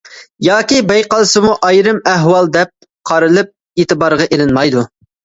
ياكى بايقالسىمۇ ئايرىم ئەھۋال دەپ قارىلىپ ئېتىبارغا ئىلىنمايدۇ.